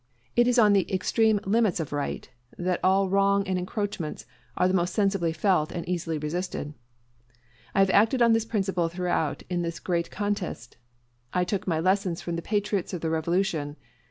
It is on the extreme limits of right that all wrong and encroachments are the most sensibly felt and easily resisted. I have acted on this principle throughout in this great contest. I took my lessons from the patriots of the Revolution.